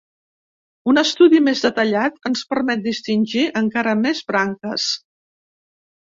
Un estudi més detallat ens permet distingir encara més branques.